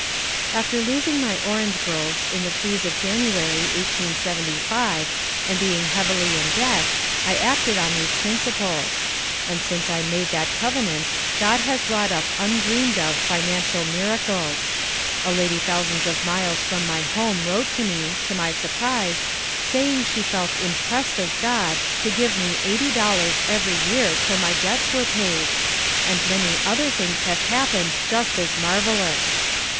After losing my orange groves in the freeze of Jan uarys 1895, and being heavily in debt, I acted on these principles; and since I made that convenant, God has wrought up undreamed of financial miracles. A lady thousands of miles from my home wTote me, to my surprise, saying she felt impressed of God to give me $80 every year till my debts were paid ; and many other things have happened just as marvelous.